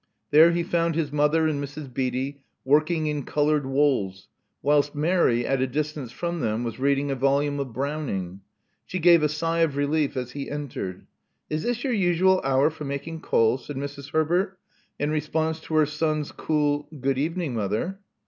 There he found his mother and Mrs. Beatty working in colored wools, whilst Mary, at a distance from them, was reading a volume of Browning. She gave a sigh of relief as he entered. Is this your usual hour for making calls?" said Mrs. Herbert, in response to her son's cool Good evening, mother."